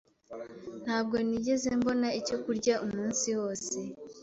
Ntabwo nigeze mbona icyo kurya umunsi wose.